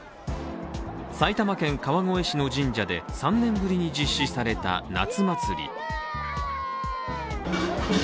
埼玉県川越市の神社で、３年ぶりに実施された夏祭り。